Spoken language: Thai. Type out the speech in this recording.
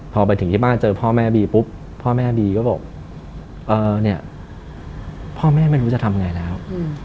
พอไปถึงที่บ้านเจอพ่อแม่บีปุ๊บพ่อแม่บีก็บอกเออเนี่ยพ่อแม่ไม่รู้จะทำไงแล้ว